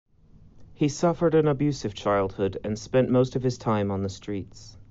He suffered an abusive childhood and spent most of his time on the streets.